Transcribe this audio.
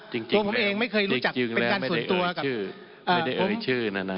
จริงจริงแล้วจริงจริงแล้วไม่ได้เอ่ยชื่อไม่ได้เอ่ยชื่อน่ะนะ